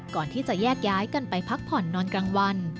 ก่อนที่จะแยกย้ายกันไปพักผ่อนนอนกลางวัน